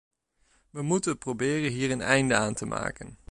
We moeten proberen hier een einde aan te maken.